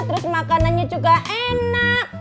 terus makanannya juga enak